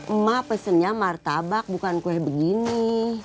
emak pesennya martabak bukan kue begini